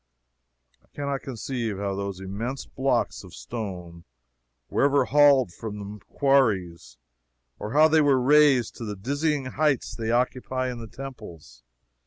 I can not conceive how those immense blocks of stone were ever hauled from the quarries, or how they were ever raised to the dizzy heights they occupy in the temples.